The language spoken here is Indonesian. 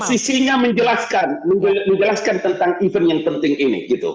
posisinya menjelaskan menjelaskan tentang event yang penting ini gitu